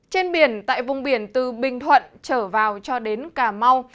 trên biển tại vùng biển từ bình thuận trở vào cho đến cà mau